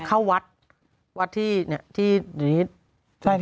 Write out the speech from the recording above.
เขาจะเดินกลับบ้าน